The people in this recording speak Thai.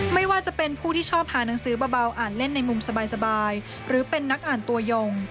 ไม่ว่าจะเป็นผู้ที่ชอบหาหนังสือเบาอ่านเล่นในมุมสบายหรือเป็นนักอ่านตัวยง